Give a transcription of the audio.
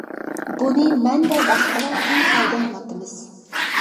! بۇنى مەن ۋە باشقىلار تەڭ پايدىلىنىۋاتىمىز.